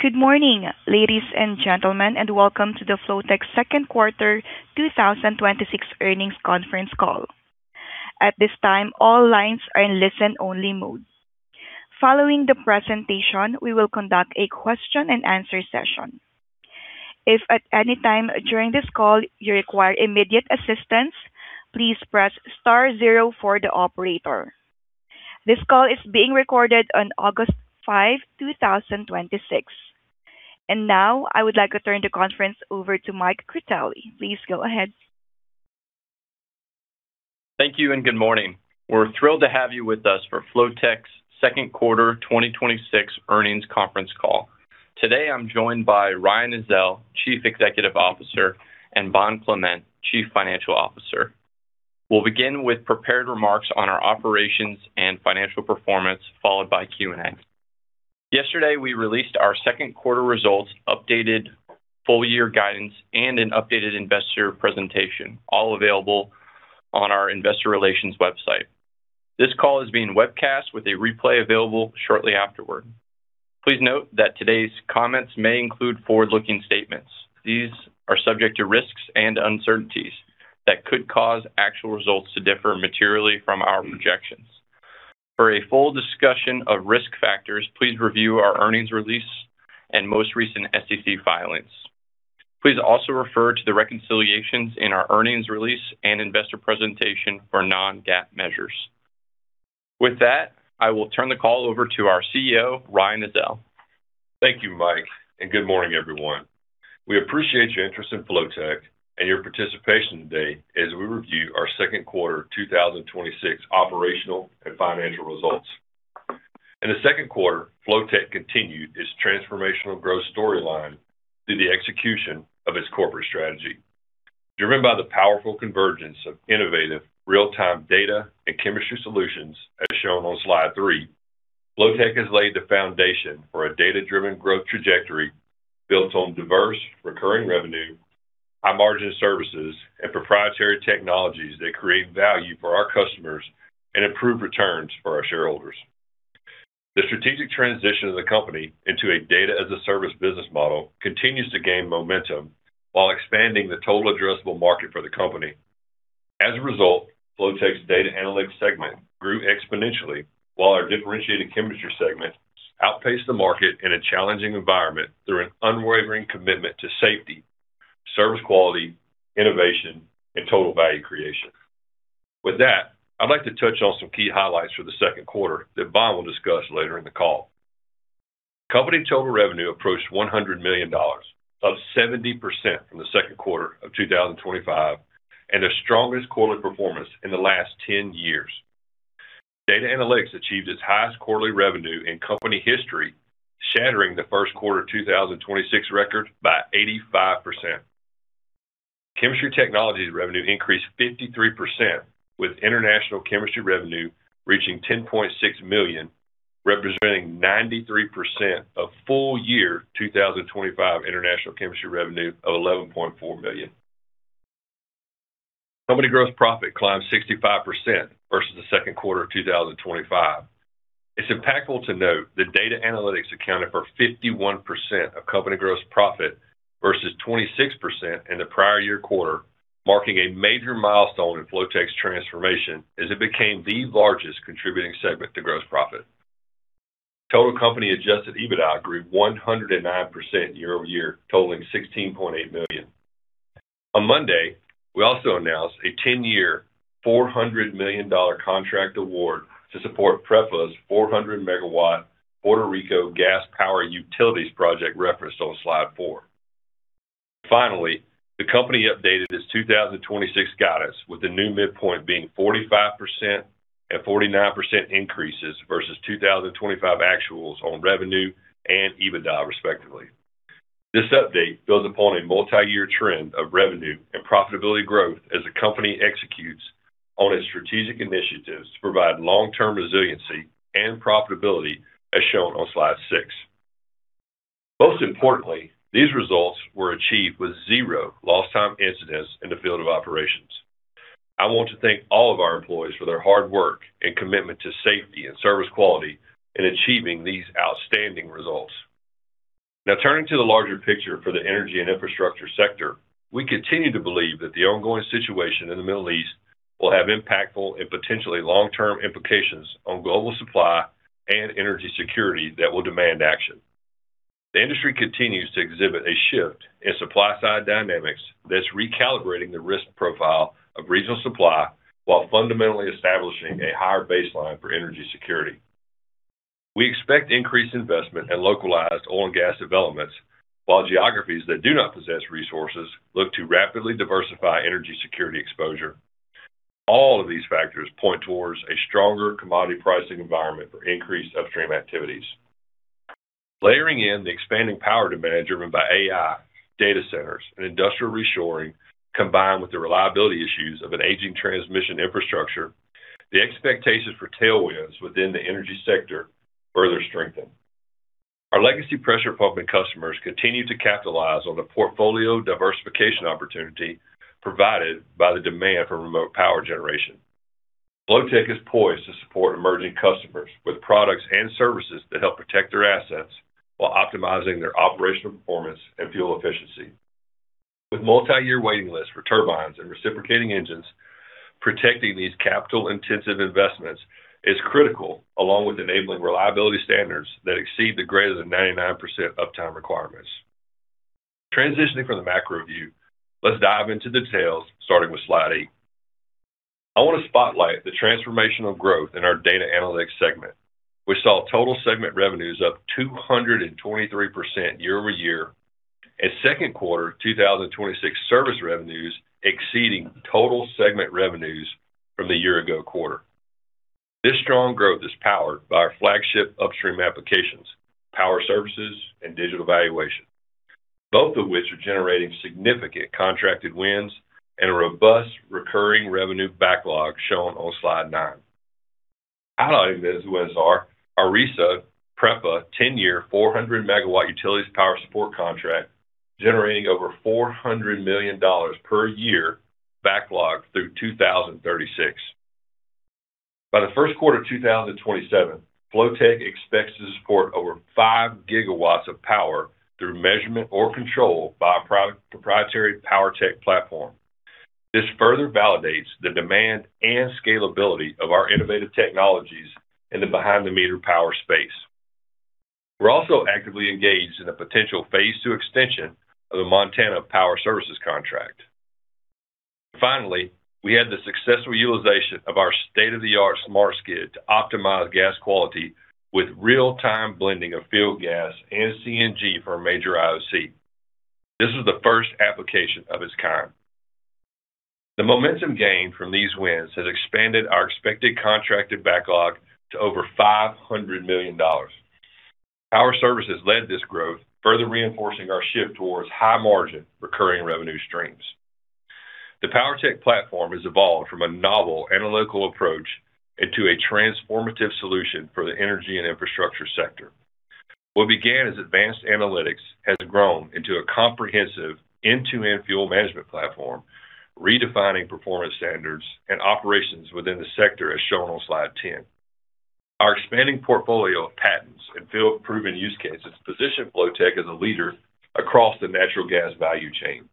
Good morning, ladies and gentlemen, welcome to the Flotek Q2 2026 earnings conference call. At this time, all lines are in listen-only mode. Following the presentation, we will conduct a question-and-answer session. If at any time during this call you require immediate assistance, please press star zero for the operator. This call is being recorded on August 5, 2026. Now I would like to turn the conference over to Mike Critelli. Please go ahead. Thank you and good morning. We're thrilled to have you with us for Flotek's Q2 2026 earnings conference call. Today I'm joined by Ryan Ezell, Chief Executive Officer, and Bond Clement, Chief Financial Officer. We'll begin with prepared remarks on our operations and financial performance, followed by Q&A. Yesterday we released our Q2 results, updated full year guidance, and an updated investor presentation, all available on our investor relations website. This call is being webcast with a replay available shortly afterward. Please note that today's comments may include forward-looking statements. These are subject to risks and uncertainties that could cause actual results to differ materially from our projections. For a full discussion of risk factors, please review our earnings release and most recent SEC filings. Please also refer to the reconciliations in our earnings release and investor presentation for non-GAAP measures. With that, I will turn the call over to our CEO, Ryan Ezell. Thank you, Mike. Good morning everyone. We appreciate your interest in Flotek and your participation today as we review our Q2 2026 operational and financial results. In the Q2, Flotek continued its transformational growth storyline through the execution of its corporate strategy. Driven by the powerful convergence of innovative real-time data and chemistry solutions, as shown on slide three, Flotek has laid the foundation for a data-driven growth trajectory built on diverse recurring revenue, high margin services, and proprietary technologies that create value for our customers and improve returns for our shareholders. The strategic transition of the company into a data-as-a-service business model continues to gain momentum while expanding the total addressable market for the company. As a result, Flotek's data analytics segment grew exponentially while our differentiated chemistry segment outpaced the market in a challenging environment through an unwavering commitment to safety, service quality, innovation, and total value creation. With that, I'd like to touch on some key highlights for the Q2 that Bond will discuss later in the call. Company total revenue approached $100 million, up 70% from the Q2 of 2025, and the strongest quarterly performance in the last 10 years. Data analytics achieved its highest quarterly revenue in company history, shattering the Q1 2026 record by 85%. Chemistry technologies revenue increased 53%, with international chemistry revenue reaching $10.6 million, representing 93% of full year 2025 international chemistry revenue of $11.4 million. Company gross profit climbed 65% versus the Q2 of 2025. It's impactful to note that data analytics accounted for 51% of company gross profit versus 26% in the prior year quarter, marking a major milestone in Flotek's transformation as it became the largest contributing segment to gross profit. Total company adjusted EBITDA grew 109% year-over-year, totaling $16.8 million. On Monday, we also announced a 10-year, $400 million contract award to support PREPA's 400 MW Puerto Rico Gas Power Utilities project referenced on slide four. Finally, the company updated its 2026 guidance with the new midpoint being 45% and 49% increases versus 2025 actuals on revenue and EBITDA, respectively. This update builds upon a multi-year trend of revenue and profitability growth as the company executes on its strategic initiatives to provide long-term resiliency and profitability, as shown on slide six. Most importantly, these results were achieved with zero lost time incidents in the field of operations. I want to thank all of our employees for their hard work and commitment to safety and service quality in achieving these outstanding results. Turning to the larger picture for the energy and infrastructure sector, we continue to believe that the ongoing situation in the Middle East will have impactful and potentially long-term implications on global supply and energy security that will demand action. The industry continues to exhibit a shift in supply side dynamics that's recalibrating the risk profile of regional supply while fundamentally establishing a higher baseline for energy security. We expect increased investment in localized oil and gas developments, while geographies that do not possess resources look to rapidly diversify energy security exposure. All of these factors point towards a stronger commodity pricing environment for increased upstream activities. Layering in the expanding power demand driven by AI, data centers, and industrial reshoring combined with the reliability issues of an aging transmission infrastructure, the expectations for tailwinds within the energy sector further strengthen. Our legacy pressure pumping customers continue to capitalize on the portfolio diversification opportunity provided by the demand for remote power generation Flotek is poised to support emerging customers with products and services that help protect their assets while optimizing their operational performance and fuel efficiency. With multi-year waiting lists for turbines and reciprocating engines, protecting these capital-intensive investments is critical, along with enabling reliability standards that exceed the greater than 99% uptime requirements. Transitioning from the macro view, let's dive into the details, starting with slide eight. I want to spotlight the transformational growth in our data analytics segment. We saw total segment revenues up 223% year-over-year, and Q2 2026 service revenues exceeding total segment revenues from the year-ago quarter. This strong growth is powered by our flagship upstream applications, power services, and digital valuation, both of which are generating significant contracted wins and a robust recurring revenue backlog shown on slide nine. Highlighting those wins are our RESA/PREPA 10-year, 400 MW utilities power support contract, generating over $400 million per year backlog through 2036. By the Q1 2027, Flotek expects to support over 5 GW of power through measurement or control by our proprietary PWRtek platform. This further validates the demand and scalability of our innovative technologies in the behind-the-meter power space. We are also actively engaged in a potential phase II extension of the Montana Power Services contract. We had the successful utilization of our state-of-the-art smart skid to optimize gas quality with real-time blending of field gas and CNG for a major IOC. This is the first application of its kind. The momentum gained from these wins has expanded our expected contracted backlog to over $500 million. Power services led this growth, further reinforcing our shift towards high margin recurring revenue streams. The PWRtek platform has evolved from a novel analytical approach into a transformative solution for the energy and infrastructure sector. What began as advanced analytics has grown into a comprehensive end-to-end fuel management platform, redefining performance standards and operations within the sector, as shown on slide 10. Our expanding portfolio of patents and field proven use cases position Flotek as a leader across the natural gas value chain.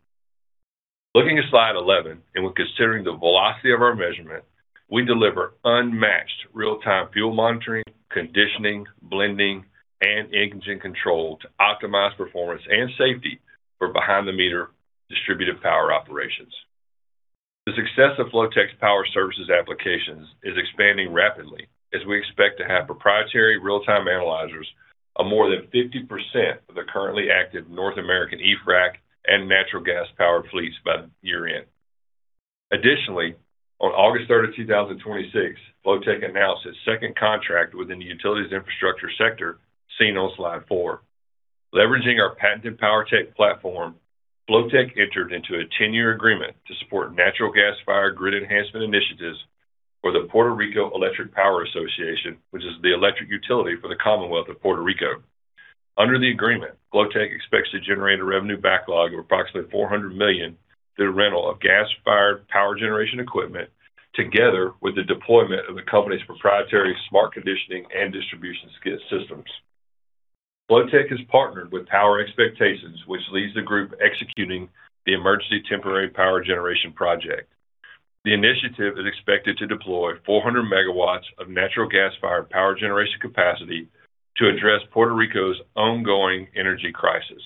Looking at slide 11, when considering the velocity of our measurement, we deliver unmatched real-time fuel monitoring, conditioning, blending, and engine control to optimize performance and safety for behind-the-meter distributed power operations. The success of Flotek's power services applications is expanding rapidly as we expect to have proprietary real-time analyzers of more than 50% of the currently active North American eFrac and natural gas powered fleets by the year-end. Additionally, on August 3rd, 2026, Flotek announced its second contract within the utilities infrastructure sector, seen on slide four. Leveraging our patented PWRtek platform, Flotek entered into a 10-year agreement to support natural gas fired grid enhancement initiatives for the Puerto Rico Electric Power Authority, which is the electric utility for the Commonwealth of Puerto Rico. Under the agreement, Flotek expects to generate a revenue backlog of approximately $400 million through rental of gas-fired power generation equipment, together with the deployment of the company's proprietary smart conditioning and distribution skid systems. Flotek has partnered with Power Expectations, which leads the group executing the emergency temporary power generation project. The initiative is expected to deploy 400 MW of natural gas fired power generation capacity to address Puerto Rico's ongoing energy crisis.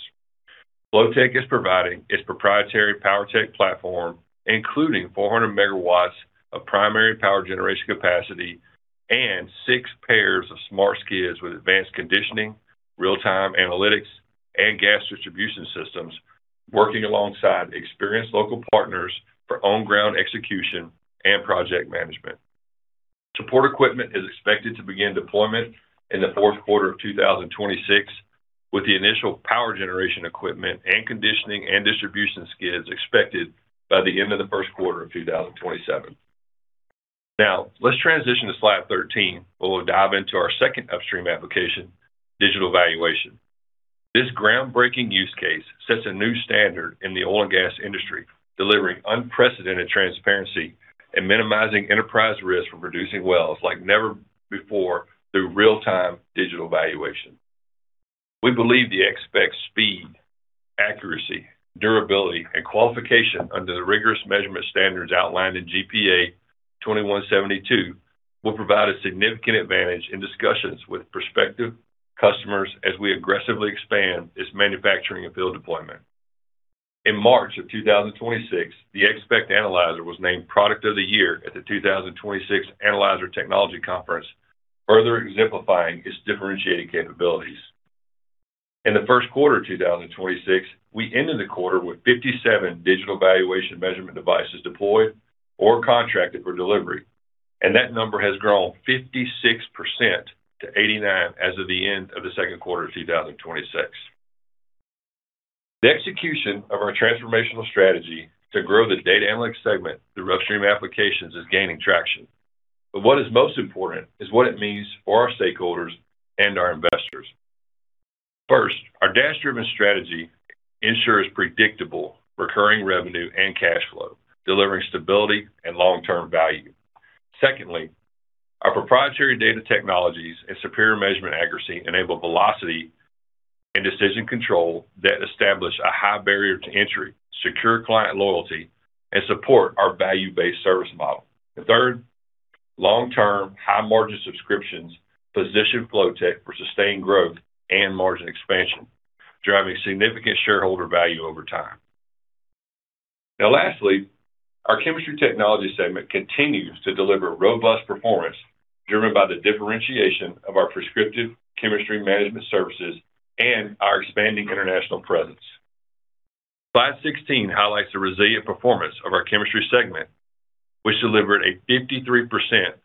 Flotek is providing its proprietary PWRtek platform, including 400 MW of primary power generation capacity and six pairs of smart skids with advanced conditioning, real-time analytics, and gas distribution systems, working alongside experienced local partners for on-ground execution and project management. Support equipment is expected to begin deployment in the Q4 of 2026, with the initial power generation equipment and conditioning and distribution skids expected by the end of the Q1 of 2027. Let's transition to slide 13, where we'll dive into our second upstream application, digital valuation. This groundbreaking use case sets a new standard in the oil and gas industry, delivering unprecedented transparency and minimizing enterprise risk from producing wells like never before through real-time digital valuation. We believe the XSPCT's speed, accuracy, durability, and qualification under the rigorous measurement standards outlined in GPA 2172 will provide a significant advantage in discussions with prospective customers as we aggressively expand its manufacturing and field deployment. In March of 2026, the XSPCT Analyzer was named Product of the Year at the 2026 Analyzer Technology Conference, further exemplifying its differentiating capabilities. In the Q1 of 2026, we ended the quarter with 57 digital valuation measurement devices deployed or contracted for delivery, and that number has grown 56%-89% as of the end of the Q2 of 2026. The execution of our transformational strategy to grow the data analytics segment through upstream applications is gaining traction. What is most important is what it means for our stakeholders and our investors. First, our DAS-driven strategy ensures predictable recurring revenue and cash flow, delivering stability and long-term value. Secondly, our proprietary data technologies and superior measurement accuracy enable velocity and decision control that establish a high barrier to entry, secure client loyalty, and support our value-based service model. The third long-term high-margin subscriptions position Flotek for sustained growth and margin expansion, driving significant shareholder value over time. Lastly, our chemistry technology segment continues to deliver robust performance driven by the differentiation of our Prescriptive Chemistry Management services and our expanding international presence. Slide 16 highlights the resilient performance of our chemistry segment, which delivered a 53%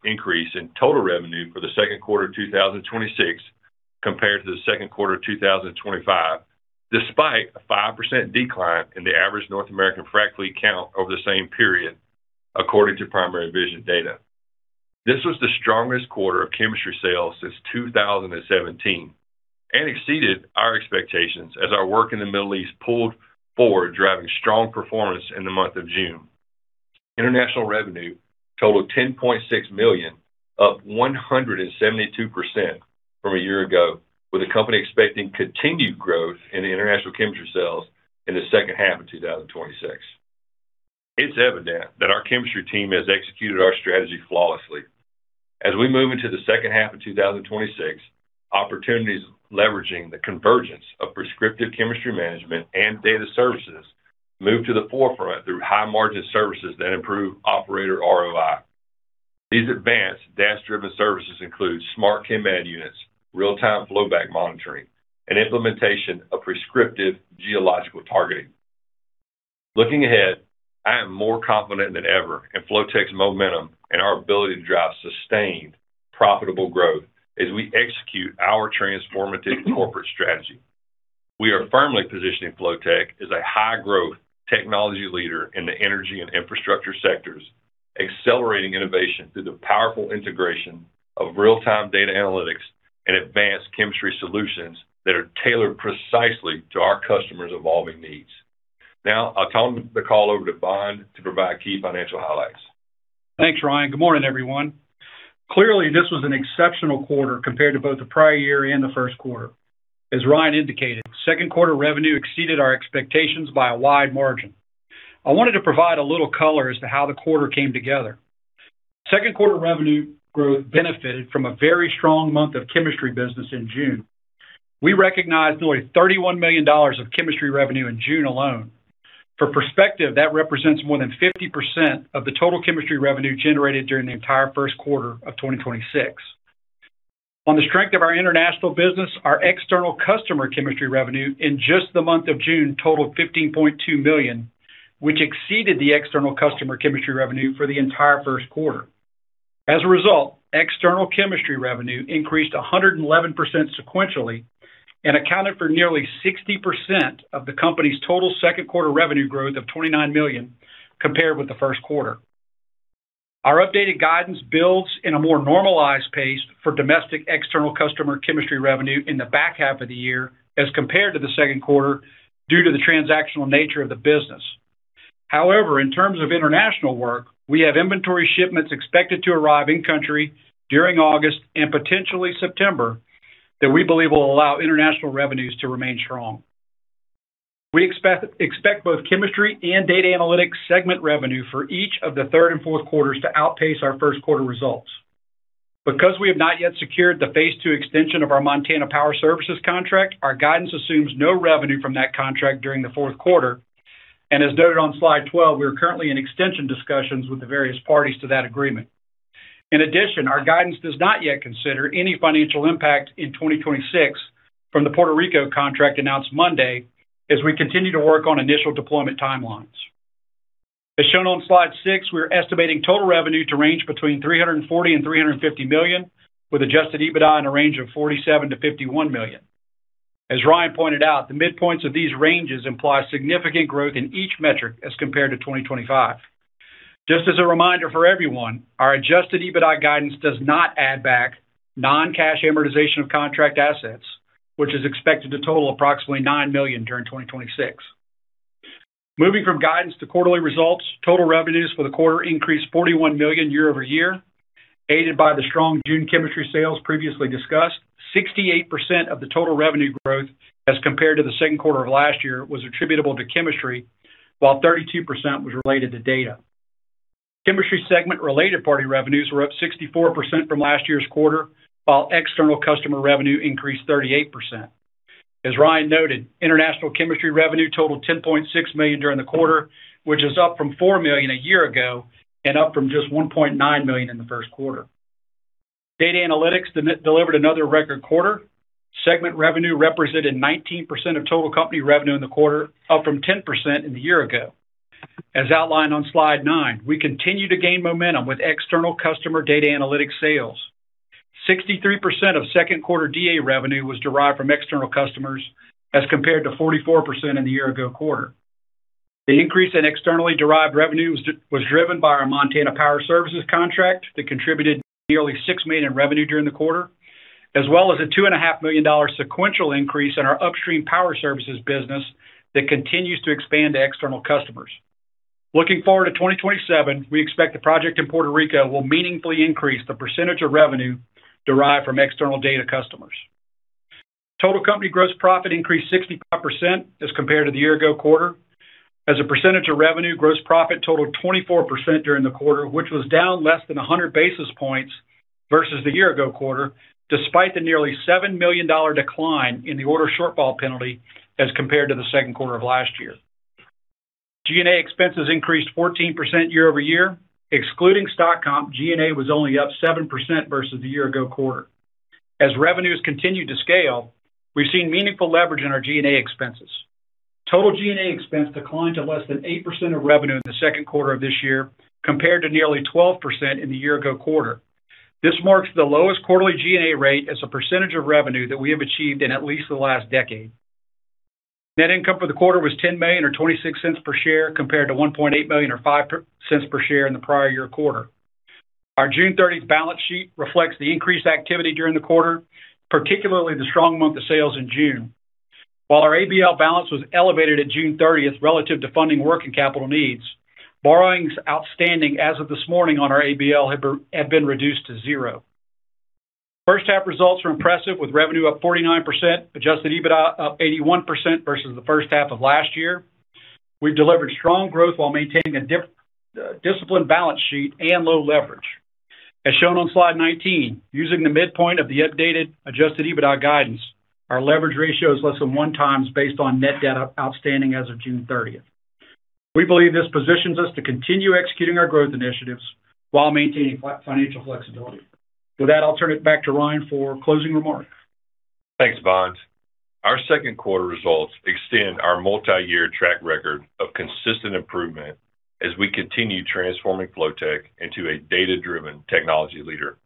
increase in total revenue for the Q2 of 2026 compared to the Q2 of 2025, despite a 5% decline in the average North American frack fleet count over the same period, according to Primary Vision data. This was the strongest quarter of chemistry sales since 2017 and exceeded our expectations as our work in the Middle East pulled forward, driving strong performance in the month of June. International revenue totaled $10.6 million, up 172% from a year ago, with the company expecting continued growth in international chemistry sales in the H2 of 2026. It's evident that our chemistry team has executed our strategy flawlessly. We move into the H2 of 2026, opportunities leveraging the convergence of Prescriptive Chemistry Management and data services move to the forefront through high-margin services that improve operator ROI. These advanced DAS-driven services include smart ChemAD units, real-time flowback monitoring, and implementation of prescriptive geological targeting. Looking ahead, I am more confident than ever in Flotek's momentum and our ability to drive sustained, profitable growth as we execute our transformative corporate strategy. We are firmly positioning Flotek as a high-growth technology leader in the energy and infrastructure sectors, accelerating innovation through the powerful integration of real-time data analytics and advanced chemistry solutions that are tailored precisely to our customers' evolving needs. I'll turn the call over to Bond to provide key financial highlights. Thanks, Ryan. Good morning, everyone. Clearly, this was an exceptional quarter compared to both the prior year and the Q1. As Ryan indicated, Q2 revenue exceeded our expectations by a wide margin. I wanted to provide a little color as to how the quarter came together. Q2 revenue growth benefited from a very strong month of chemistry business in June. We recognized nearly $31 million of chemistry revenue in June alone. For perspective, that represents more than 50% of the total chemistry revenue generated during the entire Q1 of 2026. On the strength of our international business, our external customer chemistry revenue in just the month of June totaled $15.2 million, which exceeded the external customer chemistry revenue for the entire Q1. As a result, external chemistry revenue increased 111% sequentially and accounted for nearly 60% of the company's total Q2 revenue growth of $29 million compared with the Q1. Our updated guidance builds in a more normalized pace for domestic external customer chemistry revenue in the back half of the year as compared to the Q2 due to the transactional nature of the business. However, in terms of international work, we have inventory shipments expected to arrive in country during August and potentially September that we believe will allow international revenues to remain strong. We expect both chemistry and data analytics segment revenue for each of the Q3 and Q4 to outpace our Q1 results. Because we have not yet secured the phase II extension of our Montana Power Services contract, our guidance assumes no revenue from that contract during the Q4, and as noted on slide 12, we are currently in extension discussions with the various parties to that agreement. In addition, our guidance does not yet consider any financial impact in 2026 from the Puerto Rico contract announced Monday as we continue to work on initial deployment timelines. As shown on slide six, we're estimating total revenue to range between $340 million and $350 million, with adjusted EBITDA in a range of $47 million-$51 million. As Ryan pointed out, the midpoints of these ranges imply significant growth in each metric as compared to 2025. Just as a reminder for everyone, our adjusted EBITDA guidance does not add back non-cash amortization of contract assets, which is expected to total approximately $9 million during 2026. Moving from guidance to quarterly results, total revenues for the quarter increased $41 million year-over-year, aided by the strong June chemistry sales previously discussed. 68% of the total revenue growth as compared to the second quarter of last year was attributable to chemistry, while 32% was related to data. Chemistry segment related party revenues were up 64% from last year's quarter, while external customer revenue increased 38%. As Ryan noted, international chemistry revenue totaled $10.6 million during the quarter, which is up from $4 million a year ago and up from just $1.9 million in the Q1. Data analytics delivered another record quarter. Segment revenue represented 19% of total company revenue in the quarter, up from 10% in the year ago. As outlined on slide nine, we continue to gain momentum with external customer data analytics sales. 63% of Q2 DA revenue was derived from external customers as compared to 44% in the year ago quarter. The increase in externally derived revenue was driven by our Montana Power Services contract that contributed nearly $6 million in revenue during the quarter, as well as a $2.5 million sequential increase in our upstream power services business that continues to expand to external customers. Looking forward to 2027, we expect the project in Puerto Rico will meaningfully increase the percentage of revenue derived from external data customers. Total company gross profit increased 65% as compared to the year ago quarter. As a percentage of revenue, gross profit totaled 24% during the quarter, which was down less than 100 basis points versus the year ago quarter, despite the nearly $7 million decline in the order shortfall penalty as compared to the Q2 of last year. G&A expenses increased 14% year-over-year. Excluding stock comp, G&A was only up 7% versus the year ago quarter. As revenues continue to scale, we've seen meaningful leverage in our G&A expenses. Total G&A expense declined to less than 8% of revenue in the Q2 of this year, compared to nearly 12% in the year ago quarter. This marks the lowest quarterly G&A rate as a percentage of revenue that we have achieved in at least the last decade. Net income for the quarter was $10 million, or $0.26 per share, compared to $1.8 million or $0.05 per share in the prior year quarter. Our June 30th balance sheet reflects the increased activity during the quarter, particularly the strong month of sales in June. While our ABL balance was elevated at June 30th relative to funding working capital needs, borrowings outstanding as of this morning on our ABL have been reduced to zero. H1 results were impressive, with revenue up 49%, adjusted EBITDA up 81% versus the H1 of last year. We've delivered strong growth while maintaining a disciplined balance sheet and low leverage. As shown on slide 19, using the midpoint of the updated adjusted EBITDA guidance, our leverage ratio is less than one times based on net debt outstanding as of June 30th. We believe this positions us to continue executing our growth initiatives while maintaining financial flexibility. With that, I'll turn it back to Ryan for closing remarks. Thanks, Bond. Our Q2 results extend our multi-year track record of consistent improvement as we continue transforming Flotek into a data-driven technology leader.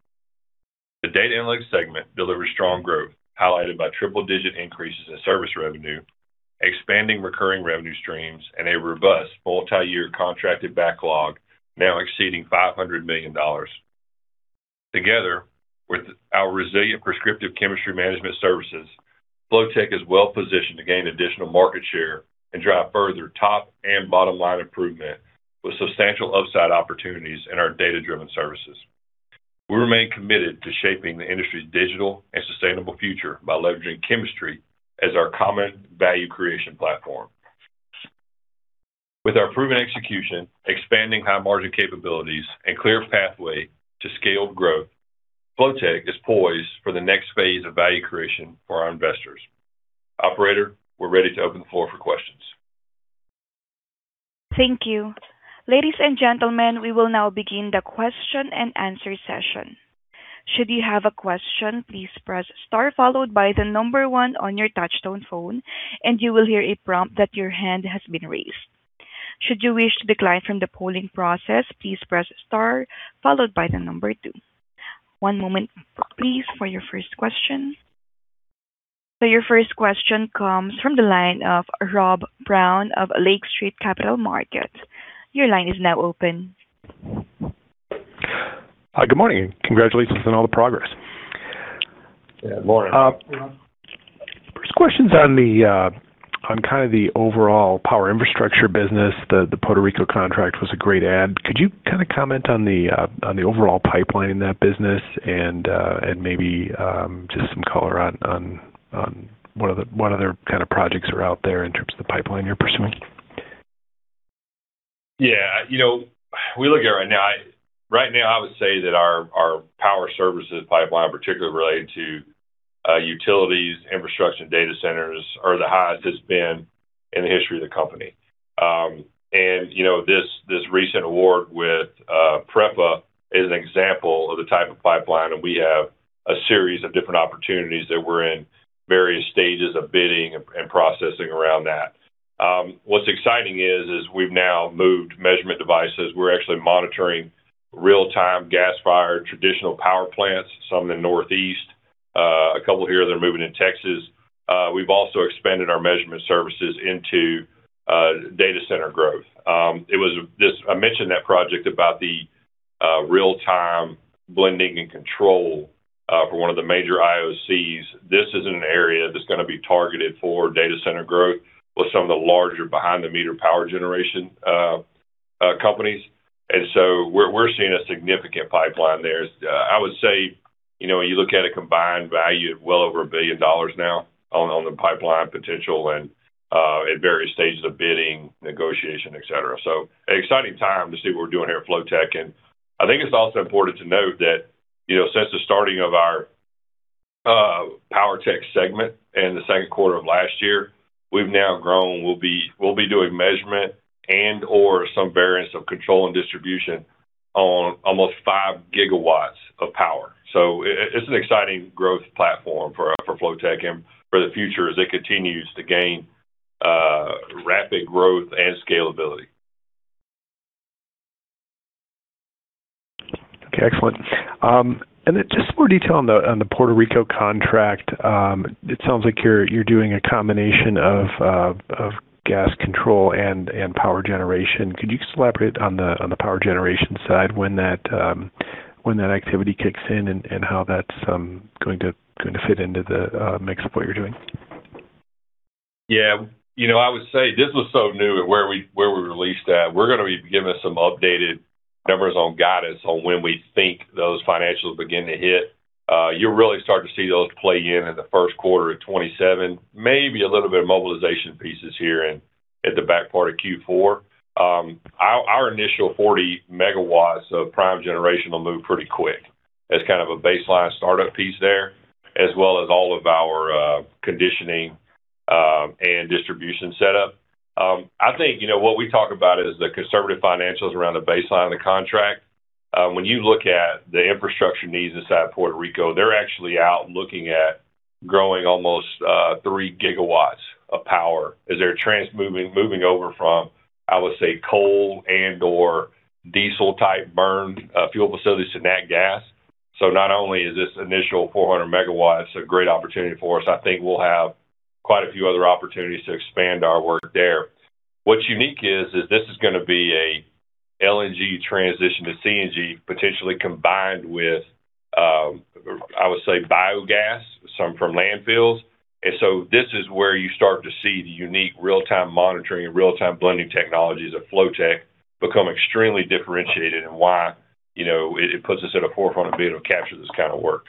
The data analytics segment delivered strong growth, highlighted by triple-digit increases in service revenue, expanding recurring revenue streams, and a robust multi-year contracted backlog now exceeding $500 million. Together with our resilient Prescriptive Chemistry Management services, Flotek is well-positioned to gain additional market share and drive further top and bottom-line improvement with substantial upside opportunities in our data-driven services. We remain committed to shaping the industry's digital and sustainable future by leveraging chemistry as our common value creation platform. With our proven execution, expanding high-margin capabilities, and clear pathway to scaled growth, Flotek is poised for the next phase of value creation for our investors. Operator, we're ready to open the floor for questions. Thank you. Ladies and gentlemen, we will now begin the question-and-answer session. Should you have a question, please press star followed by the number one on your touch-tone phone, and you will hear a prompt that your hand has been raised. Should you wish to decline from the polling process, please press star followed by the number two. One moment, please, for your first question. Your first question comes from the line of Rob Brown of Lake Street Capital Markets. Your line is now open. Hi, good morning. Congratulations on all the progress. Yeah, Brown. First question's on the overall power infrastructure business. The Puerto Rico contract was a great add. Could you comment on the overall pipeline in that business and maybe just some color on what other kind of projects are out there in terms of the pipeline you're pursuing? Yeah. Right now, I would say that our power services pipeline, particularly related to utilities, infrastructure, and data centers, are the highest it's been in the history of the company. This recent award with PREPA is an example of the type of pipeline, and we have a series of different opportunities that we're in various stages of bidding and processing around that. What's exciting is we've now moved measurement devices. We're actually monitoring real-time gas-fired traditional power plants, some in the Northeast, a couple here that are moving in Texas. We've also expanded our measurement services into data center growth. I mentioned that project about the real-time blending and control for one of the major IOCs. This is an area that's going to be targeted for data center growth with some of the larger behind-the-meter power generation companies. We're seeing a significant pipeline there. I would say when you look at a combined value of well over $1 billion now on the pipeline potential and at various stages of bidding, negotiation, et cetera. An exciting time to see what we're doing here at Flotek. I think it's also important to note that since the starting of our PWRtek segment in the Q2 of last year, we've now grown. We'll be doing measurement and/or some variance of control and distribution on almost 5 GW of power. It's an exciting growth platform for Flotek and for the future as it continues to gain rapid growth and scalability. Okay, excellent. Just some more detail on the Puerto Rico contract. It sounds like you're doing a combination of gas control and power generation. Could you elaborate on the power generation side when that activity kicks in and how that's going to fit into the mix of what you're doing? Yeah. I would say this was so new where we released that. We're going to be giving some updated numbers on guidance on when we think those financials begin to hit. You'll really start to see those play in the Q1 of 2027, maybe a little bit of mobilization pieces here and at the back part of Q4. Our initial 40 MW of prime generation will move pretty quick as kind of a baseline startup piece there, as well as all of our conditioning and distribution setup. I think what we talk about is the conservative financials around the baseline of the contract. When you look at the infrastructure needs inside Puerto Rico, they're actually out looking at growing almost 3 GW of power as they're moving over from, I would say, coal and/or diesel-type burn fuel facilities to nat gas. Not only is this initial 400 MW a great opportunity for us, I think we'll have quite a few other opportunities to expand our work there. What's unique is this gonna be a LNG transition to CNG, potentially combined with, I would say biogas, some from landfills. This is where you start to see the unique real-time monitoring and real-time blending technologies of Flotek become extremely differentiated and why it puts us at a forefront of being able to capture this kind of work.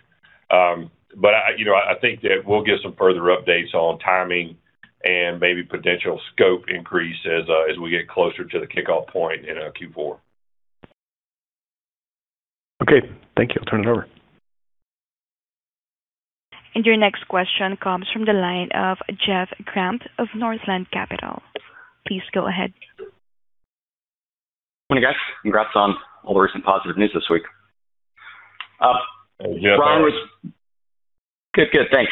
I think that we'll give some further updates on timing and maybe potential scope increase as we get closer to the kickoff point in our Q4. Okay, thank you. I'll turn it over. Your next question comes from the line of Jeff Grampp of Northland Capital. Please go ahead. Morning, guys. Congrats on all the recent positive news this week. Yeah. Good. Thanks.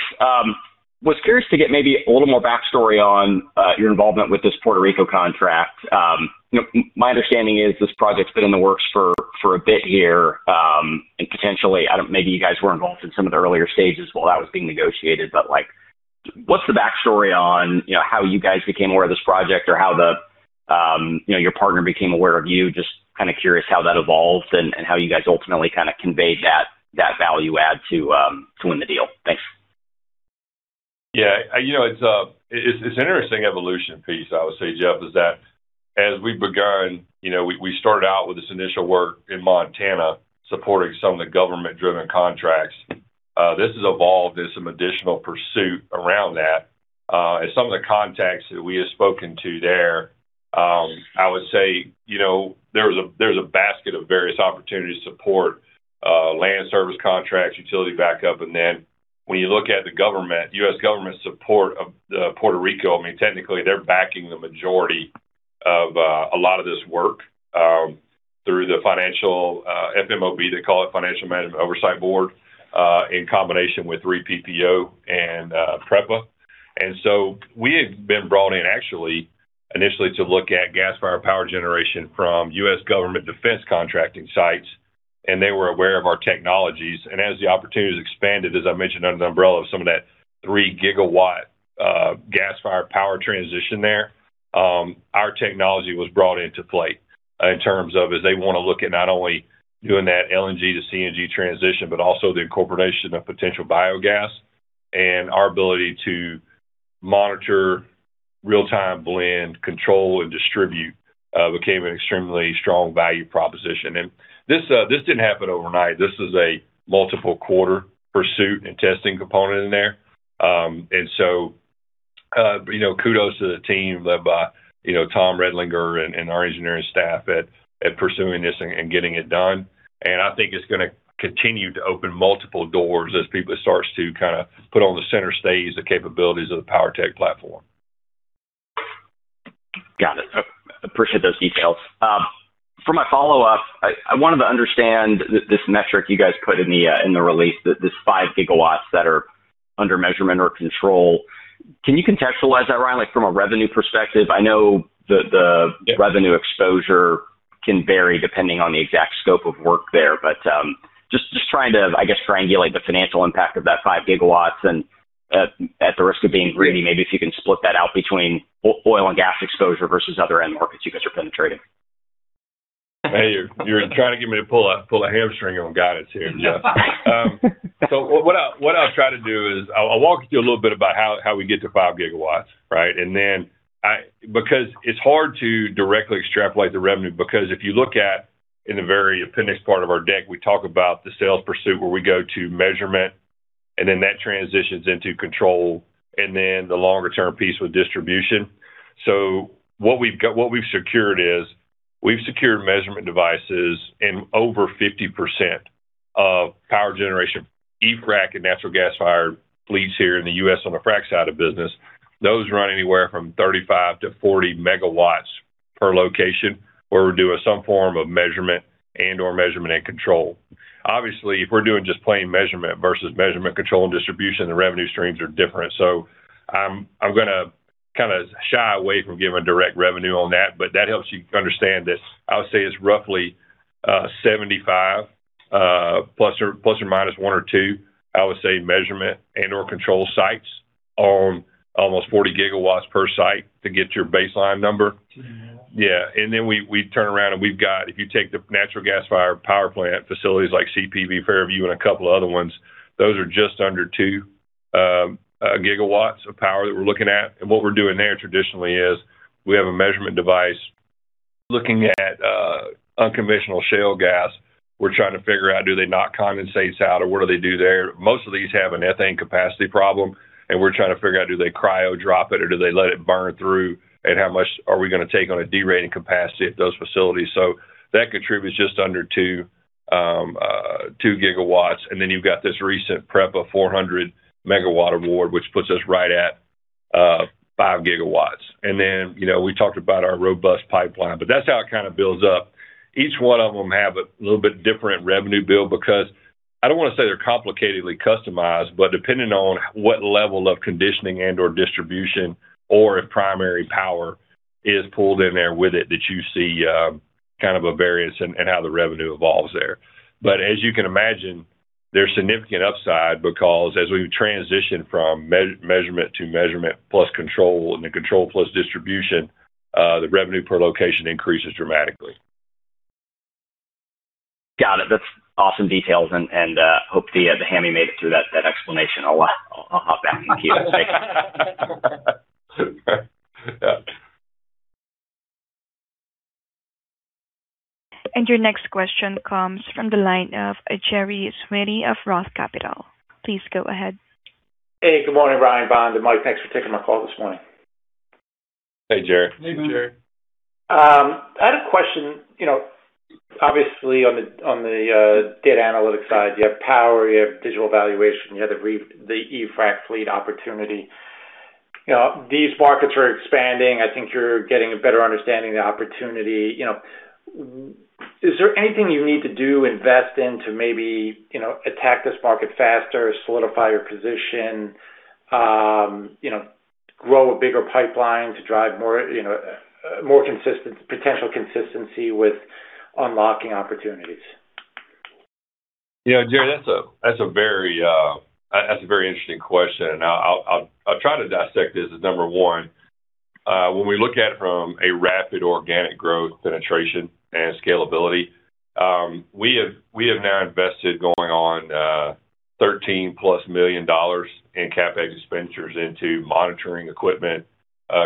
Was curious to get maybe a little more backstory on your involvement with this Puerto Rico contract. My understanding is this project's been in the works for a bit here, and potentially, maybe you guys were involved in some of the earlier stages while that was being negotiated, but what's the backstory on how you guys became aware of this project or how your partner became aware of you? Just kind of curious how that evolved and how you guys ultimately kind of conveyed that value add to win the deal. Thanks. Yeah. It's an interesting evolution piece, I would say, Jeff, is that as we begun, we started out with this initial work in Montana supporting some of the government-driven contracts. This has evolved as some additional pursuit around that. Some of the contacts that we have spoken to there, I would say there's a basket of various opportunities to support land service contracts, utility backup. When you look at the government, U.S. government support of Puerto Rico, I mean, technically, they're backing the majority of a lot of this work, through the financial, FOMB, they call it, Financial Oversight and Management Board, in combination with P3A and PREPA. We had been brought in actually initially to look at gas-fired power generation from U.S. government defense contracting sites, and they were aware of our technologies. As the opportunities expanded, as I mentioned, under the umbrella of some of that 3 GW gas-fired power transition there, our technology was brought into play in terms of as they want to look at not only doing that LNG to CNG transition, but also the incorporation of potential biogas. Our ability to monitor real-time blend, control, and distribute, became an extremely strong value proposition. This didn't happen overnight. This is a multiple-quarter pursuit and testing component in there. Kudos to the team led by Tom Redlinger and our engineering staff at pursuing this and getting it done. I think it's gonna continue to open multiple doors as people start to kind of put on the center stage the capabilities of the PWRtek platform. Got it. Appreciate those details. For my follow-up, I wanted to understand this metric you guys put in the release, this 5 GW that are under measurement or control. Can you contextualize that, Ryan, like from a revenue perspective? Yeah Revenue exposure can vary depending on the exact scope of work there. Just trying to, I guess, triangulate the financial impact of that 5 GW and at the risk of being greedy, maybe if you can split that out between oil and gas exposure versus other end markets you guys are penetrating. Hey, you're trying to get me to pull a hamstring on guidance here, Jeff. What I'll try to do is I'll walk you through a little bit about how we get to 5 GW, right? Because it's hard to directly extrapolate the revenue because if you look at in the very appendix part of our deck, we talk about the sales pursuit where we go to measurement, and then that transitions into control, and then the longer-term piece with distribution. What we've secured is we've secured measurement devices in over 50% of power generation eFrac and natural gas-fired fleets here in the U.S. on the frac side of business. Those run anywhere from 35-40 MW per location where we're doing some form of measurement and/or measurement and control. Obviously, if we're doing just plain measurement versus measurement control and distribution, the revenue streams are different. Kind of shy away from giving direct revenue on that, but that helps you understand this. I would say it's roughly 75±1/2, I would say measurement and/or control sites on almost 40 GW per site to get your baseline number. Two more? Yeah. We turn around, we've got If you take the natural gas fire power plant facilities like CPV, Fairview, and a couple of other ones, those are just under 2 GW of power that we're looking at. What we're doing there traditionally is we have a measurement device looking at unconventional shale gas. We're trying to figure out, do they knock condensates out or what do they do there? Most of these have an ethane capacity problem, and we're trying to figure out, do they cryo drop it or do they let it burn through, and how much are we going to take on a de-rating capacity at those facilities? That contributes just under 2 GW. You've got this recent PREPA 400 MW award, which puts us right at 5 GW. We talked about our robust pipeline, but that's how it kind of builds up. Each one of them have a little bit different revenue bill because I don't want to say they're complicatedly customized, but depending on what level of conditioning and/or distribution or if primary power is pulled in there with it, that you see kind of a variance in how the revenue evolves there. As you can imagine, there's significant upside because as we transition from measurement to measurement plus control and then control plus distribution, the revenue per location increases dramatically. Got it. That's awesome details and hopefully the hammy made it through that explanation. I'll hop back into queue. Your next question comes from the line of Gerry Sweeney of ROTH Capital. Please go ahead. Hey, good morning, Ryan Ezell, Bond and Mike. Thanks for taking my call this morning. Hey, Gerry. Hey, Gerry. I had a question. Obviously, on the data analytics side, you have power, you have digital valuation, you have the eFrac fleet opportunity. These markets are expanding. I think you're getting a better understanding of the opportunity. Is there anything you need to do, invest in to maybe attack this market faster, solidify your position, grow a bigger pipeline to drive more potential consistency with unlocking opportunities? Gerry, that's a very interesting question. I'll try to dissect this as number one. When we look at it from a rapid organic growth penetration and scalability, we have now invested going on $13+ million in CapEx expenditures into monitoring equipment,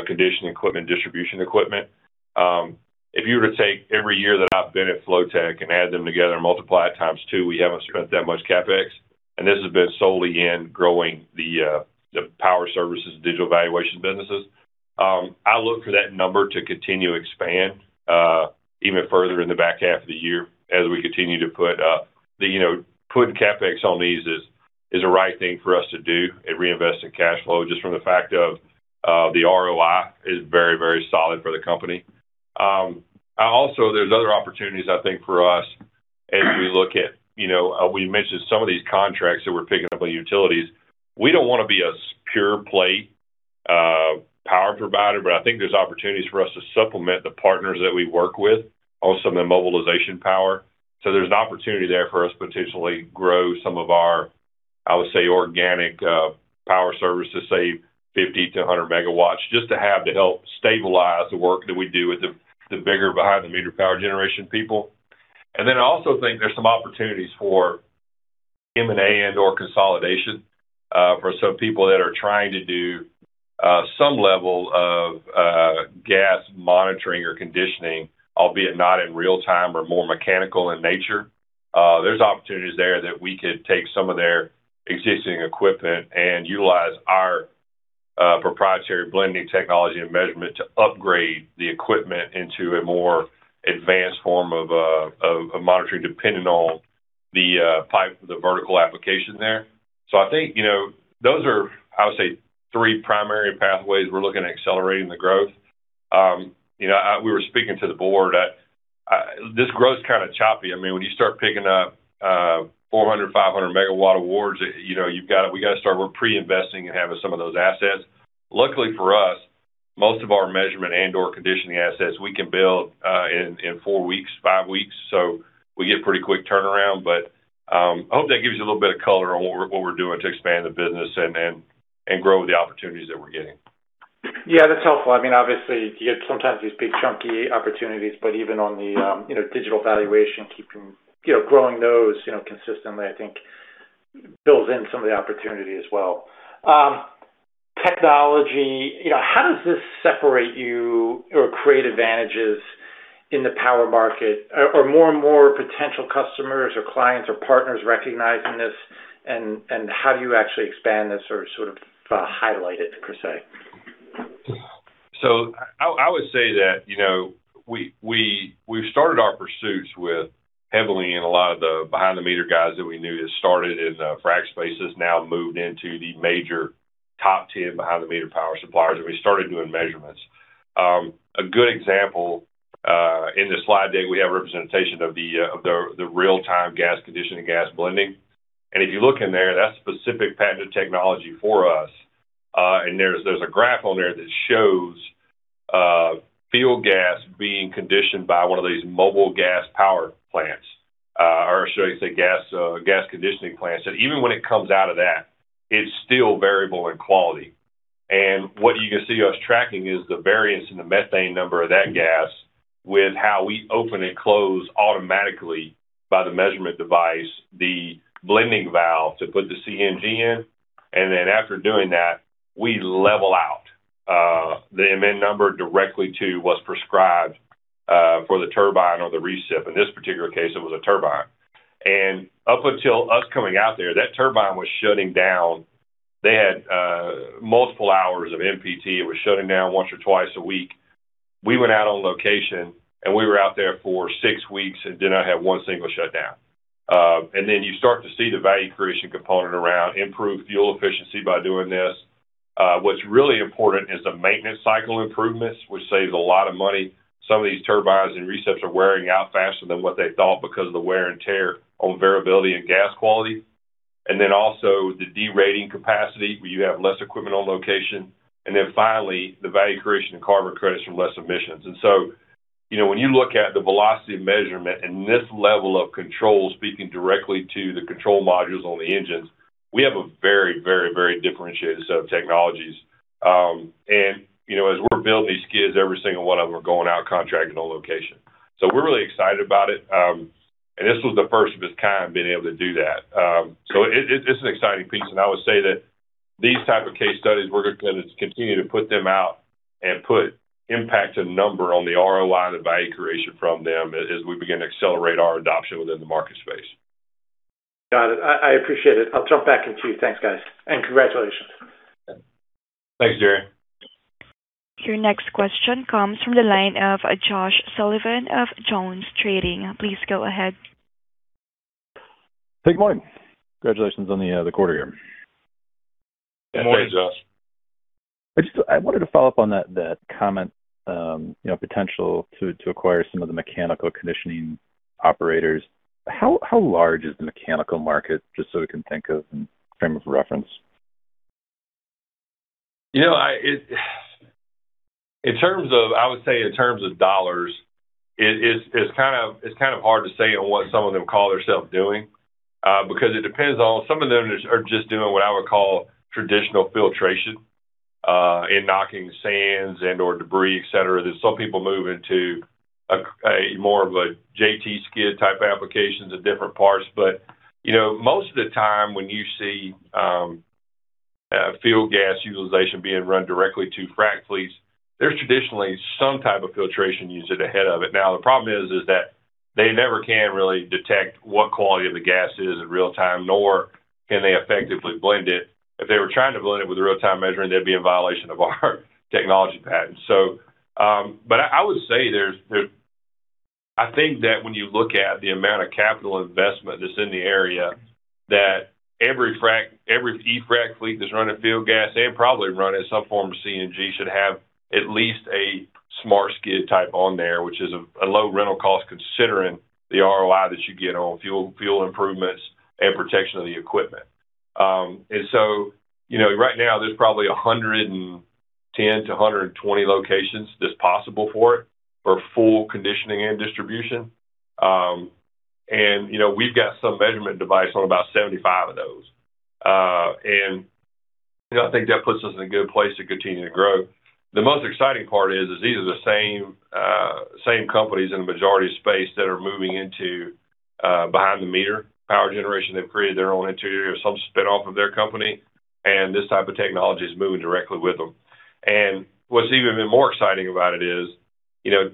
conditioning equipment, distribution equipment. If you were to take every year that I've been at Flotek and add them together and multiply it times two, we haven't spent that much CapEx. This has been solely in growing the power services digital valuation businesses. I look for that number to continue to expand even further in the back half of the year as we continue putting CapEx on these is a right thing for us to do and reinvest in cash flow just from the fact of the ROI is very, very solid for the company. There's other opportunities, I think, for us. We mentioned some of these contracts that we're picking up on utilities. We don't want to be a pure play power provider. I think there's opportunities for us to supplement the partners that we work with on some of the mobilization power. There's an opportunity there for us to potentially grow some of our, I would say, organic power service to, say, 50-100 MW, just to have to help stabilize the work that we do with the bigger behind-the-meter power generation people. I also think there's some opportunities for M&A and/or consolidation for some people that are trying to do some level of gas monitoring or conditioning, albeit not in real time or more mechanical in nature. There's opportunities there that we could take some of their existing equipment and utilize our proprietary blending technology and measurement to upgrade the equipment into a more advanced form of monitoring, depending on the pipe, the vertical application there. I think those are, I would say, three primary pathways we're looking at accelerating the growth. We were speaking to the board. This growth's kind of choppy. When you start picking up 400, 500 MW awards, we got to start pre-investing and having some of those assets. Luckily for us, most of our measurement and/or conditioning assets, we can build in four weeks, five weeks. We get pretty quick turnaround. I hope that gives you a little bit of color on what we're doing to expand the business and grow the opportunities that we're getting. Yeah, that's helpful. Obviously, you get sometimes these big chunky opportunities, but even on the digital valuation, growing those consistently, I think builds in some of the opportunity as well. Technology. How does this separate you or create advantages in the power market? Are more and more potential customers or clients or partners recognizing this, and how do you actually expand this or sort of highlight it, per se? I would say that we've started our pursuits with heavily in a lot of the behind-the-meter guys that we knew that started in frack spaces, now moved into the major top 10 behind-the-meter power suppliers, and we started doing measurements. A good example. In the slide deck, we have a representation of the real-time gas conditioning, gas blending. If you look in there, that's specific patented technology for us. There's a graph on there that shows field gas being conditioned by one of these mobile gas power plants, or I should say gas conditioning plants. That even when it comes out of that, it's still variable in quality. What you can see us tracking is the variance in the Methane Number of that gas with how we open and close automatically, by the measurement device, the blending valve to put the CNG in. After doing that, we level out the MN number directly to what's prescribed for the turbine or the recip. In this particular case, it was a turbine. Up until us coming out there, that turbine was shutting down. They had multiple hours of MPT. It was shutting down once or twice a week. We went out on location, we were out there for six weeks and did not have one single shutdown. You start to see the value creation component around improved fuel efficiency by doing this. What's really important is the maintenance cycle improvements, which saves a lot of money. Some of these turbines and recips are wearing out faster than what they thought because of the wear and tear on variability and gas quality. Also the derating capacity, where you have less equipment on location. Finally, the value creation and carbon credits from less emissions. When you look at the velocity of measurement and this level of control, speaking directly to the control modules on the engines, we have a very differentiated set of technologies. As we're building these skids, every single one of them are going out contracting on location. We're really excited about it. This was the first of its kind, being able to do that. It's an exciting piece, and I would say that these type of case studies, we're going to continue to put them out and put impact to the number on the ROI, the value creation from them as we begin to accelerate our adoption within the market space. Got it. I appreciate it. I'll jump back in queue. Thanks, guys. Congratulations. Thanks, Gerry. Your next question comes from the line of Josh Sullivan of JonesTrading. Please go ahead. Good morning. Congratulations on the quarter here. Good morning, Josh. I wanted to follow up on that comment, potential to acquire some of the mechanical conditioning operators. How large is the mechanical market, just so we can think of in frame of reference? I would say in terms of dollars, it's hard to say on what some of them call theirselves doing. It depends on. Some of them are just doing what I would call traditional filtration, and knocking sands and/or debris, et cetera. Some people move into a more of a JT skid type applications and different parts. Most of the time when you see field gas utilization being run directly to frac fleets, there's traditionally some type of filtration unit ahead of it. The problem is that they never can really detect what quality of the gas is in real time, nor can they effectively blend it. If they were trying to blend it with real-time measuring, they'd be in violation of our technology patent. I would say there's. I think that when you look at the amount of capital investment that's in the area, that every frac, every key frac fleet that's running field gas and probably running some form of CNG should have at least a smart skid type on there, which is a low rental cost considering the ROI that you get on fuel improvements and protection of the equipment. Right now there's probably 110-120 locations that's possible for it, for full conditioning and distribution. We've got some measurement device on about 75 of those. I think that puts us in a good place to continue to grow. The most exciting part is these are the same companies in the majority of space that are moving into behind-the-meter power generation. They've created their own interior, some spin-off of their company, and this type of technology is moving directly with them. What's even been more exciting about it is,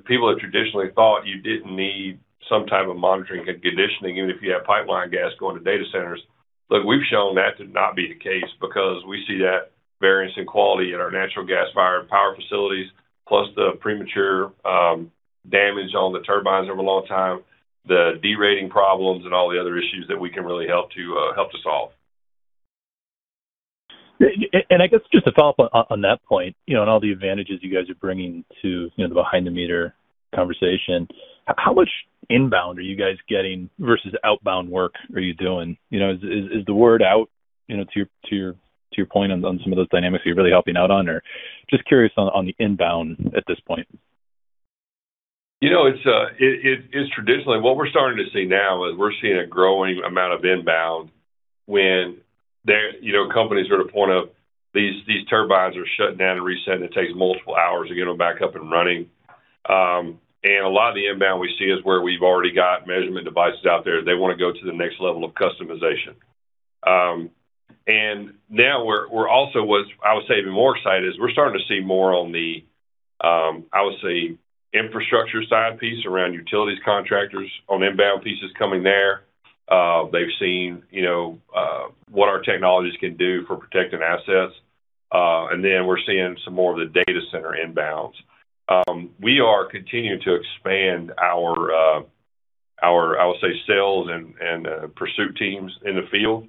people have traditionally thought you didn't need some type of monitoring and conditioning, even if you have pipeline gas going to data centers. We've shown that to not be the case because we see that variance in quality in our natural gas-fired power facilities, plus the premature damage on the turbines over a long time, the derating problems, and all the other issues that we can really help to solve. I guess just to follow-up on that point, and all the advantages you guys are bringing to the behind-the-meter conversation. How much inbound are you guys getting versus outbound work are you doing? Is the word out to your point on some of those dynamics you're really helping out on? Just curious on the inbound at this point. It's traditionally. What we're starting to see now is we're seeing a growing amount of inbound when companies are at a point of these turbines are shutting down and resetting. It takes multiple hours to get them back up and running. A lot of the inbound we see is where we've already got measurement devices out there. They want to go to the next level of customization. What I would say even more exciting is we're starting to see more on the, I would say, infrastructure side piece around utilities contractors on inbound pieces coming there. They've seen what our technologies can do for protecting assets. Then we're seeing some more of the data center inbounds. We are continuing to expand I'll say sales and pursuit teams in the field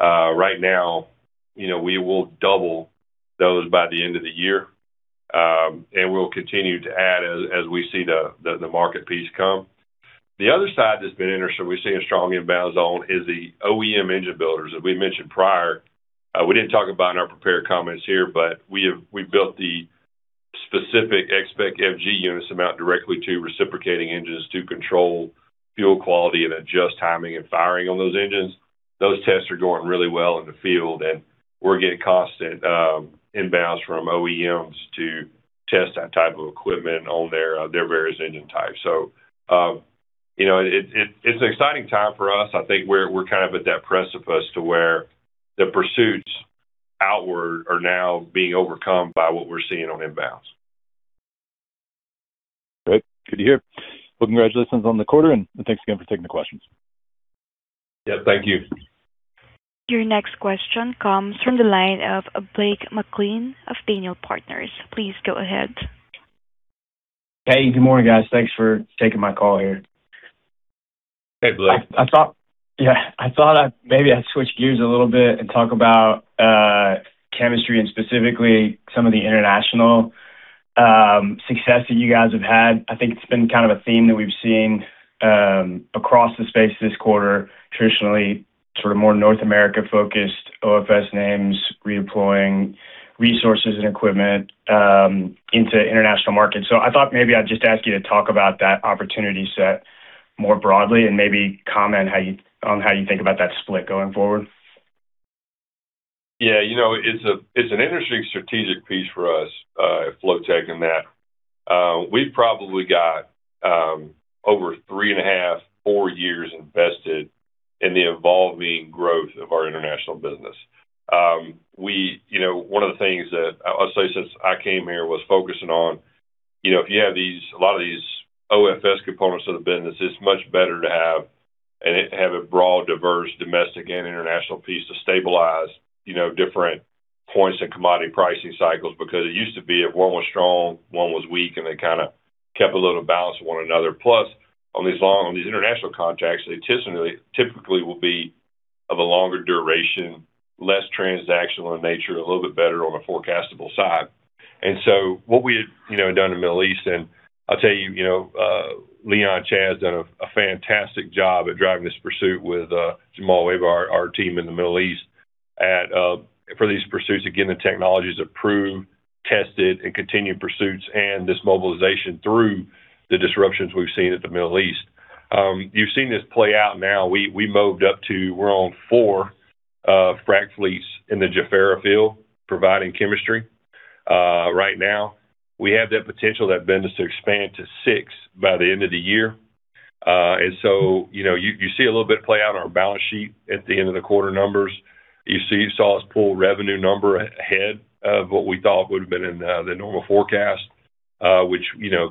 right now. We will double those by the end of the year, we'll continue to add as we see the market piece come. The other side that's been interesting, we've seen a strong imbalance on is the OEM engine builders that we mentioned prior. We didn't talk about in our prepared comments here, but we've built the specific XSpec FG units amount directly to reciprocating engines to control fuel quality and adjust timing and firing on those engines. Those tests are going really well in the field, and we're getting constant inbounds from OEMs to test that type of equipment on their various engine types. It's an exciting time for us. I think we're at that precipice to where the pursuits outward are now being overcome by what we're seeing on inbounds. Great. Good to hear. Well, congratulations on the quarter, and thanks again for taking the questions. Yeah, thank you. Your next question comes from the line of Blake McLean of Daniel Energy Partners. Please go ahead. Hey, good morning, guys. Thanks for taking my call here. Hey, Blake. Yeah. I thought maybe I'd switch gears a little bit and talk about chemistry and specifically some of the international success that you guys have had. I think it's been kind of a theme that we've seen across the space this quarter, traditionally sort of more North America focused OFS names, redeploying resources and equipment into international markets. I thought maybe I'd just ask you to talk about that opportunity set more broadly and maybe comment on how you think about that split going forward. Yeah. It's an interesting strategic piece for us at Flotek in that we've probably got over three and a half, four years invested in the evolving growth of our international business. One of the things that I'll say since I came here was focusing on, if you have a lot of these OFS components of the business, it's much better to have a broad, diverse, domestic and international piece to stabilize different points in commodity pricing cycles because it used to be if one was strong, one was weak, and they kind of kept a little balance with one another. On these international contracts, they typically will be of a longer duration, less transactional in nature, a little bit better on the forecastable side. What we had done in the Middle East, and I'll tell you, Leon Chad has done a fantastic job at driving this pursuit with Jamal Weber, our team in the Middle East for these pursuits. Again, the technology is approved, tested, and continued pursuits and this mobilization through the disruptions we've seen at the Middle East. You've seen this play out now. We moved up to we're on four frac fleets in the Jafurah field providing chemistry. Right now, we have that potential, that business to expand to six by the end of the year. You see a little bit play out on our balance sheet at the end of the quarter numbers. You saw us pull revenue number ahead of what we thought would have been in the normal forecast, which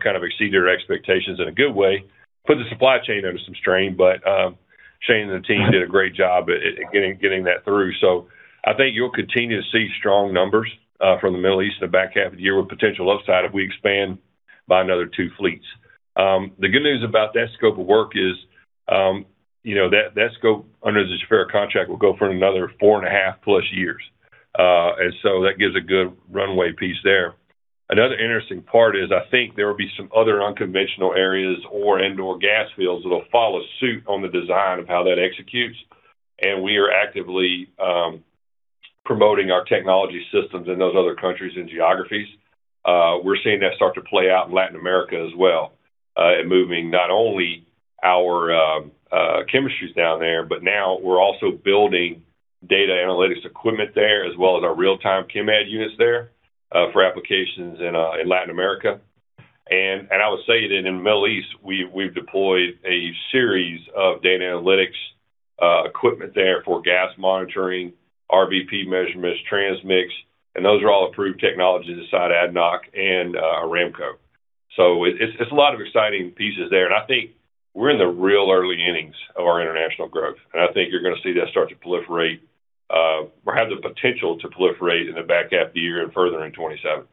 kind of exceeded our expectations in a good way. Put the supply chain under some strain, but Shane and the team did a great job at getting that through. I think you'll continue to see strong numbers from the Middle East in the back half of the year with potential upside if we expand by another two fleets. The good news about that scope of work is that scope under the Jafurah contract will go for another four and a half plus years. That gives a good runway piece there. Another interesting part is, I think there will be some other unconventional areas or indoor gas fields that'll follow suit on the design of how that executes, and we are actively promoting our technology systems in those other countries and geographies. We're seeing that start to play out in Latin America as well, moving not only our chemistries down there, but now we're also building data analytics equipment there, as well as our real-time ChemAD units there for applications in Latin America. I would say that in the Middle East, we've deployed a series of data analytics equipment there for gas monitoring, RVP measurements, transmix, and those are all approved technologies inside ADNOC and Aramco. It's a lot of exciting pieces there, and I think we're in the real early innings of our international growth, and I think you're going to see that start to proliferate, or have the potential to proliferate in the back half of the year and further in 2027.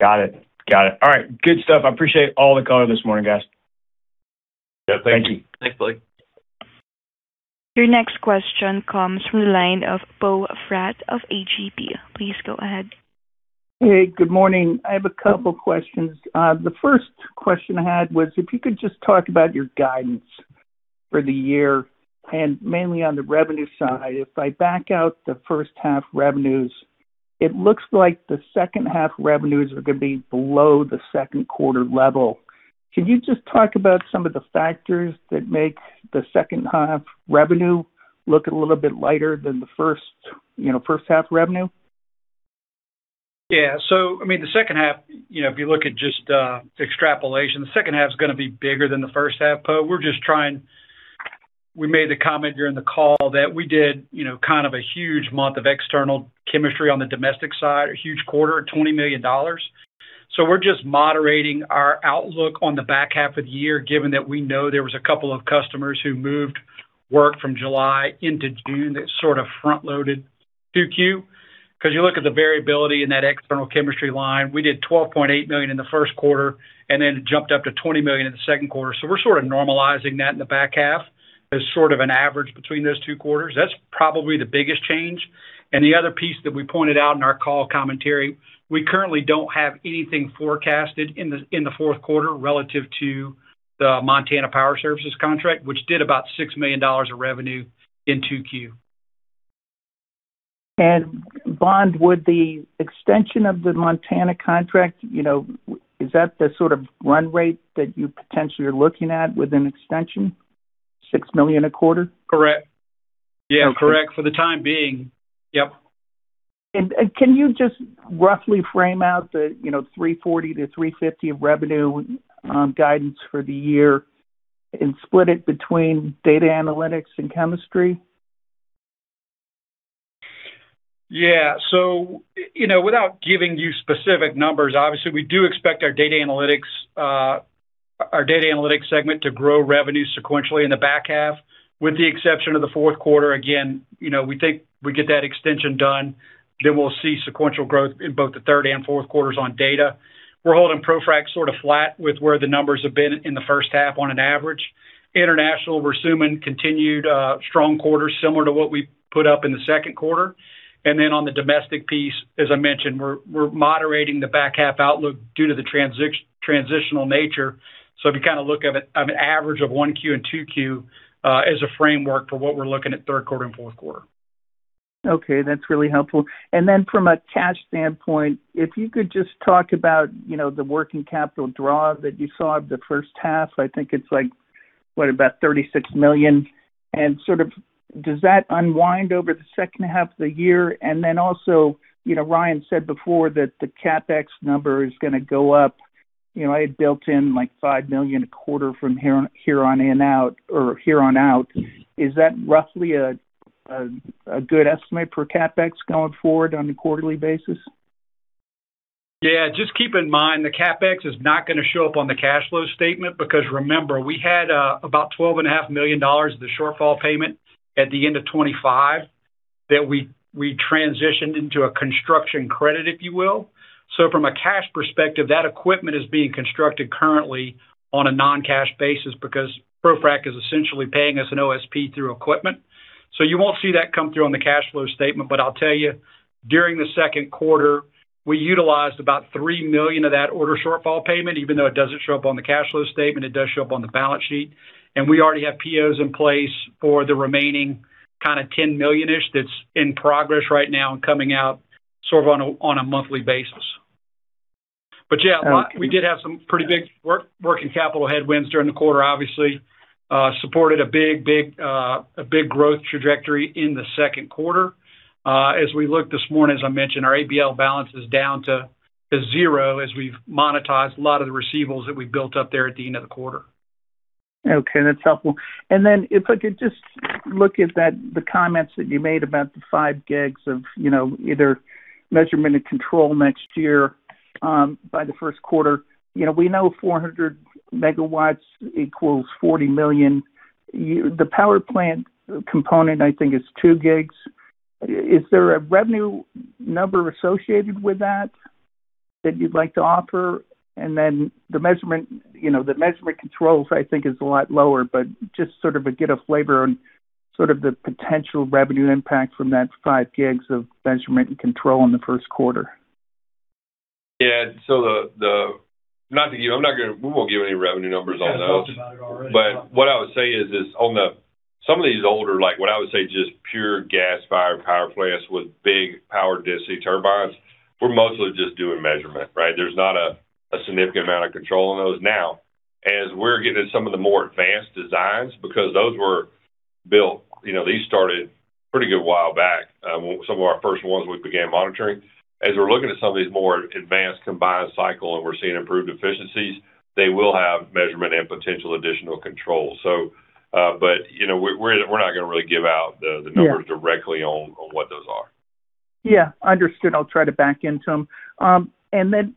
Got it. All right. Good stuff. I appreciate all the color this morning, guys. Yeah, thank you. Thanks, Blake. Your next question comes from the line of Poe Fratt of AGP. Please go ahead. Hey, good morning. I have a couple questions. The first question I had was if you could just talk about your guidance for the year, and mainly on the revenue side. If I back out the H1 revenues, it looks like the H2 revenues are going to be below the Q2 level. Can you just talk about some of the factors that make the H2 revenue look a little bit lighter than the H1 revenue? Yeah. The H2, if you look at just extrapolation, the H2 is going to be bigger than the H1. We made the comment during the call that we did kind of a huge month of external chemistry on the domestic side, a huge quarter at $20 million. We're just moderating our outlook on the back half of the year, given that we know there was a couple of customers who moved work from July into June that sort of front-loaded Q2, because you look at the variability in that external chemistry line. We did $12.8 million in the Q1, then it jumped up to $20 million in the Q2. We're sort of normalizing that in the back half as sort of an average between those two quarters. That's probably the biggest change. The other piece that we pointed out in our call commentary, we currently don't have anything forecasted in the Q4 relative to the Montana Power Services contract, which did about $6 million of revenue in Q2. Bond, would the extension of the Montana contract, is that the sort of run rate that you potentially are looking at with an extension, $6 million a quarter? Correct. Yeah, correct. For the time being. Yep. Can you just roughly frame out the $340 million-$350 million of revenue guidance for the year and split it between data analytics and chemistry? Without giving you specific numbers, obviously, we do expect our data analytics segment to grow revenue sequentially in the back half, with the exception of the Q4. We think we get that extension done, then we'll see sequential growth in both the third and Q4's on data. We're holding ProFrac sort of flat with where the numbers have been in the H1 on an average. International, we're assuming continued strong quarters similar to what we put up in the Q2. On the domestic piece, as I mentioned, we're moderating the back half outlook due to the transitional nature. If you look at an average of Q1 and Q2 as a framework for what we're looking at Q3 and Q4. That's really helpful. From a cash standpoint, if you could just talk about the working capital draw that you saw of the H1. I think it's like, what, about $36 million. Does that unwind over the H2 of the year? Also, Ryan said before that the CapEx number is going to go up. I had built in like $5 million a quarter from here on out. Is that roughly a good estimate for CapEx going forward on a quarterly basis? Just keep in mind the CapEx is not going to show up on the cash flow statement because remember, we had about $12.5 million of the shortfall payment at the end of 2025 that we transitioned into a construction credit, if you will. From a cash perspective, that equipment is being constructed currently on a non-cash basis because ProFrac is essentially paying us an OSP through equipment. You won't see that come through on the cash flow statement. I'll tell you, during the Q2, we utilized about $3 million of that order shortfall payment. Even though it doesn't show up on the cash flow statement, it does show up on the balance sheet. We already have POs in place for the remaining kind of $10 million-ish that's in progress right now and coming out sort of on a monthly basis. We did have some pretty big working capital headwinds during the quarter, obviously. Supported a big growth trajectory in the Q2. As we looked this morning, as I mentioned, our ABL balance is down to zero as we've monetized a lot of the receivables that we built up there at the end of the quarter. Okay, that's helpful. If I could just look at the comments that you made about the 5 GW of either measurement and control next year, by the Q1. We know 400 MW equals $40 million. The power plant component, I think, is 2 GW. Is there a revenue number associated with that you'd like to offer? The measurement controls, I think is a lot lower, but just sort of get a flavor on sort of the potential revenue impact from that 5 GW of measurement and control in the Q1. Yeah. We won't give any revenue numbers on those. We kind of talked about it already. What I would say is on some of these older, like what I would say, just pure gas-fired power plants with big power DC turbines, we're mostly just doing measurement, right? There's not a significant amount of control on those. As we're getting some of the more advanced designs, because those were built. These started pretty good a while back. Some of our first ones we began monitoring. As we're looking at some of these more advanced combined cycle and we're seeing improved efficiencies, they will have measurement and potential additional control. We're not going to really give out the numbers directly on what those are. Yeah. Understood. I'll try to back into them.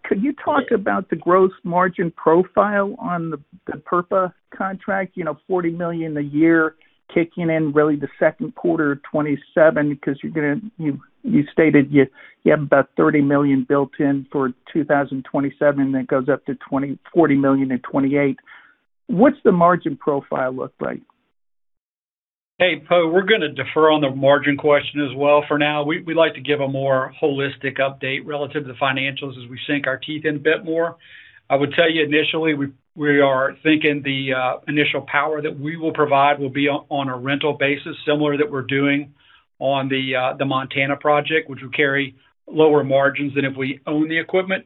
Could you talk about the gross margin profile on the PREPA contract? $40 million a year kicking in really the Q2 of 2027, because you stated you have about $30 million built in for 2027, then it goes up to $40 million in 2028. What's the margin profile look like? Hey, Poe, we're going to defer on the margin question as well for now. We'd like to give a more holistic update relative to financials as we sink our teeth in a bit more. I would tell you initially, we are thinking the initial power that we will provide will be on a rental basis, similar that we're doing on the Montana project, which will carry lower margins than if we own the equipment.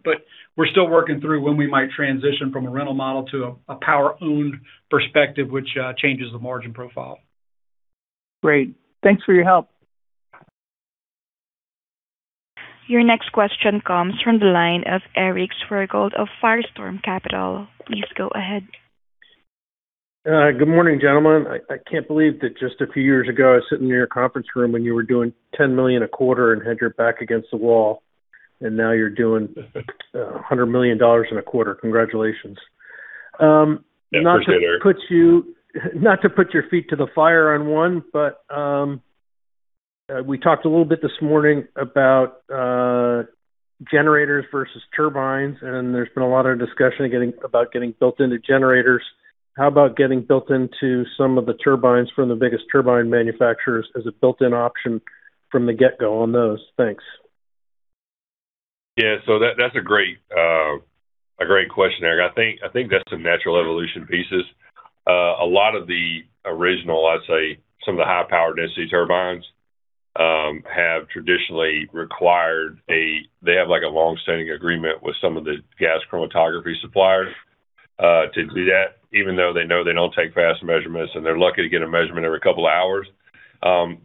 We're still working through when we might transition from a rental model to a power-owned perspective, which changes the margin profile. Great. Thanks for your help. Your next question comes from the line of Eric Swergold of Firestorm Capital. Please go ahead. Good morning, gentlemen. I can't believe that just a few years ago, I was sitting in your conference room when you were doing $10 million a quarter and had your back against the wall. Now you're doing $100 million in a quarter. Congratulations. Not to put your feet to the fire on one. We talked a little bit this morning about generators versus turbines, and there's been a lot of discussion about getting built into generators. How about getting built into some of the turbines from the biggest turbine manufacturers as a built-in option from the get-go on those? Thanks. Yeah. That's a great question, Eric. I think that's the natural evolution pieces. A lot of the original, I'd say, some of the high-powered density turbines have traditionally required. They have a longstanding agreement with some of the gas chromatography suppliers to do that, even though they know they don't take fast measurements, and they're lucky to get a measurement every couple of hours.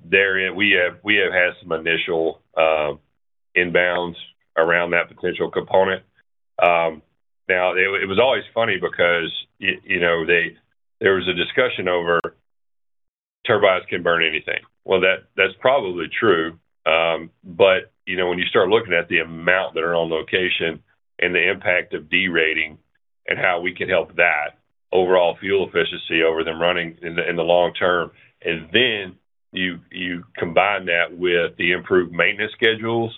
We have had some initial inbounds around that potential component. It was always funny because there was a discussion over turbines can burn anything. Well, that's probably true. When you start looking at the amount that are on location and the impact of de-rating and how we can help that overall fuel efficiency over them running in the long term, then you combine that with the improved maintenance schedules,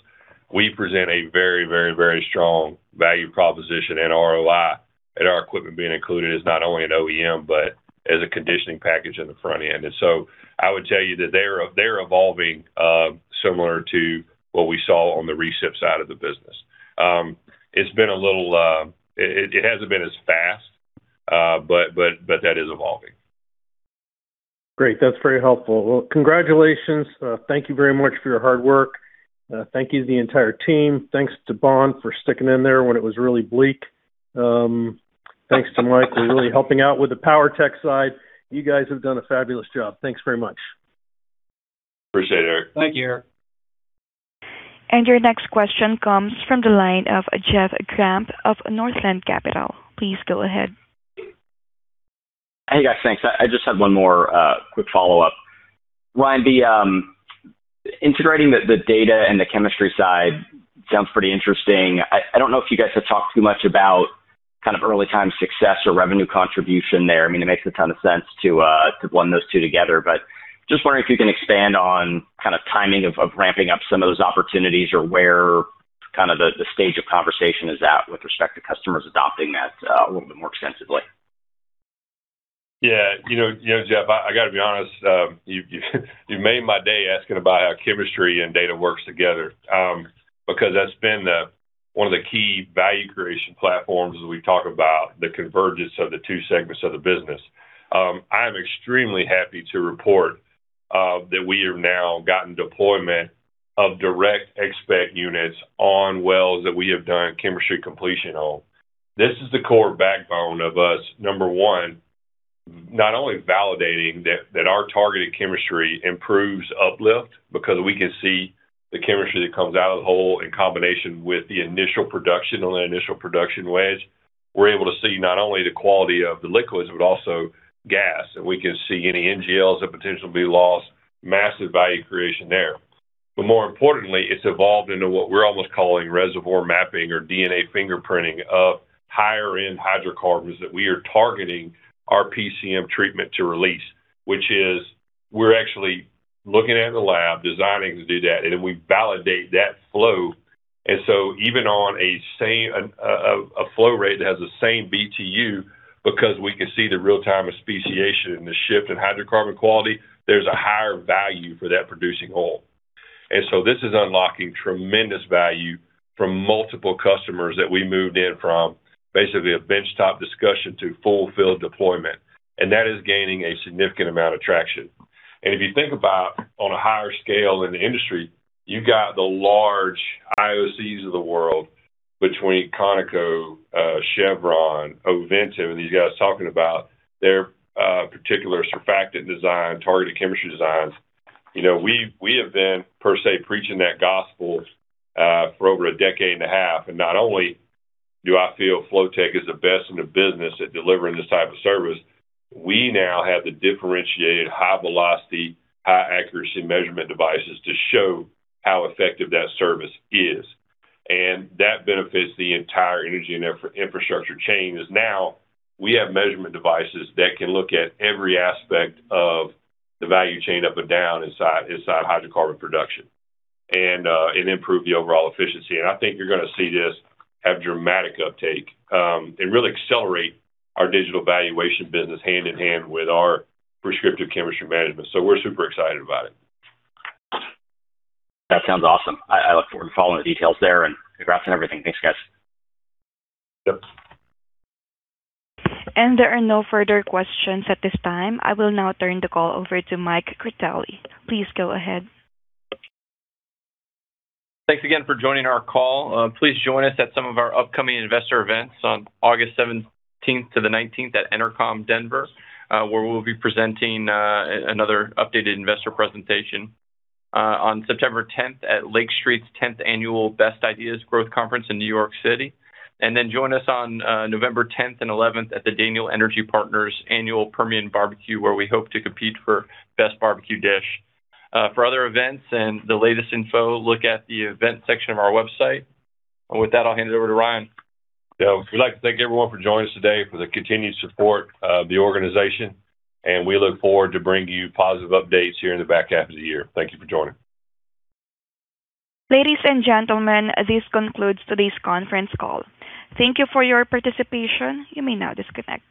we present a very strong value proposition and ROI. Our equipment being included is not only an OEM, but as a conditioning package on the front end. I would tell you that they're evolving similar to what we saw on the recep side of the business. It hasn't been as fast. That is evolving. Great. That's very helpful. Well, congratulations. Thank you very much for your hard work. Thank you to the entire team. Thanks to Bond for sticking in there when it was really bleak. Thanks to Mike for really helping out with the PWRtek side. You guys have done a fabulous job. Thanks very much. Appreciate it, Eric. Thank you, Eric. Your next question comes from the line of Jeff Grampp of Northland Capital. Please go ahead. Hey, guys. Thanks. I just had one more quick follow-up. Ryan, integrating the data and the chemistry side sounds pretty interesting. I don't know if you guys have talked too much about early time success or revenue contribution there. It makes a ton of sense to blend those two together. Just wondering if you can expand on timing of ramping up some of those opportunities or where the stage of conversation is at with respect to customers adopting that a little bit more extensively. Yeah. Jeff, I got to be honest. You made my day asking about how chemistry and data works together. That's been one of the key value creation platforms as we talk about the convergence of the two segments of the business. I am extremely happy to report that we have now gotten deployment of direct XSPCT units on wells that we have done chemistry completion on. This is the core backbone of us, number one, not only validating that our targeted chemistry improves uplift because we can see the chemistry that comes out of the hole in combination with the initial production on the initial production wedge. We're able to see not only the quality of the liquids, but also gas. We can see any NGLs that potentially be lost, massive value creation there. More importantly, it's evolved into what we're almost calling reservoir mapping or DNA fingerprinting of higher-end hydrocarbons that we are targeting our PCM treatment to release. We're actually looking at the lab, designing to do that, and then we validate that flow. Even on a flow rate that has the same BTU, because we can see the real-time speciation and the shift in hydrocarbon quality, there's a higher value for that producing oil. This is unlocking tremendous value from multiple customers that we moved in from basically a bench-top discussion to full field deployment, and that is gaining a significant amount of traction. If you think about on a higher scale in the industry, you got the large IOCs of the world between Conoco, Chevron, Ovintiv, and these guys talking about their particular surfactant design, targeted chemistry designs. We have been, per se, preaching that gospel for over a decade and a half. Not only do I feel Flotek is the best in the business at delivering this type of service, we now have the differentiated high velocity, high accuracy measurement devices to show how effective that service is. That benefits the entire energy and infrastructure chain, because now we have measurement devices that can look at every aspect of the value chain up and down inside hydrocarbon production and improve the overall efficiency. I think you're going to see this have dramatic uptake and really accelerate our digital valuation business hand in hand with our Prescriptive Chemistry Management. We're super excited about it. That sounds awesome. I look forward to following the details there and congrats on everything. Thanks, guys. Yep. There are no further questions at this time. I will now turn the call over to Mike Critelli. Please go ahead. Thanks again for joining our call. Please join us at some of our upcoming investor events on August 17th to the 19th at EnerCom Denver, where we'll be presenting another updated investor presentation. On September 10th at Lake Street's 10th Annual Best Ideas Growth Conference in New York City. Then join us on November 10th and 11th at the Daniel Energy Partners Annual Permian Barbecue, where we hope to compete for best barbecue dish. For other events and the latest info, look at the event section of our website. With that, I'll hand it over to Ryan. We'd like to thank everyone for joining us today for the continued support of the organization, and we look forward to bringing you positive updates here in the back half of the year. Thank you for joining. Ladies and gentlemen, this concludes today's conference call. Thank you for your participation. You may now disconnect.